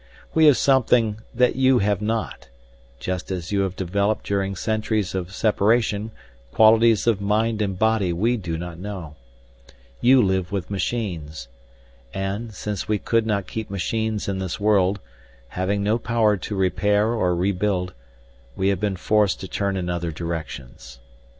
We have something that you have not, just as you have developed during centuries of separation qualities of mind and body we do not know. You live with machines. And, since we could not keep machines in this world, having no power to repair or rebuild, we have been forced to turn in other directions.